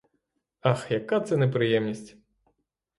Ах, яка це неприємність!